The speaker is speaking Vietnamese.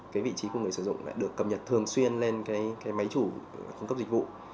cái vị trí của người sử dụng lại được cập nhật thường xuyên lên cái máy chủ cung cấp dịch vụ